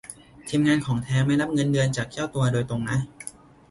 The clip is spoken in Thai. ทีมงาน ของแท้ ไม่รับเงินเดือนจากเจ้าตัวโดยตรงนะ